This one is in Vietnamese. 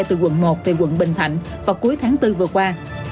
từ quận một về quận bình thạnh vào cuối tháng bốn vừa qua